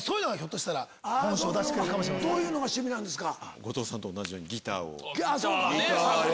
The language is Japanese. どういうのが趣味なんですか？